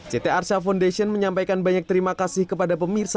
ct arsha foundation menyampaikan banyak terima kasih kepada pemirsa